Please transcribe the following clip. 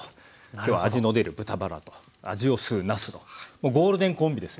今日は味の出る豚バラと味を吸うなすのゴールデンコンビです。